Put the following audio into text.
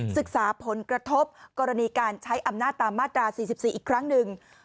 ศึกษาผลกระทบกรณีการใช้อำนาจตามมาตรา๔๔อีกครั้งหนึ่ง